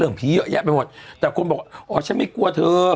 ผีเยอะแยะไปหมดแต่คนบอกอ๋อฉันไม่กลัวเธอ